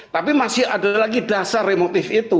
tapi masih ada lagi dasar motif